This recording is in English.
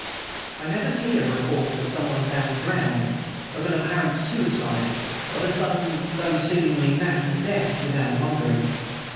I never see a report of someone found drowned, of an apparent suicide, of a sudden, though seemingly natural death, without wondering.